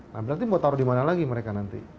nanti mau taruh di mana lagi mereka nanti